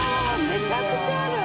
めちゃくちゃある！